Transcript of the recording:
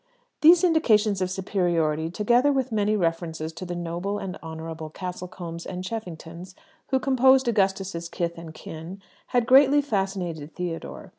These indications of superiority, together with many references to the noble and honourable Castlecombes and Cheffingtons who composed Augustus's kith and kin, had greatly fascinated Theodore.